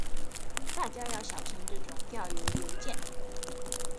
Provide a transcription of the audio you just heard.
大家要小心這種釣魚郵件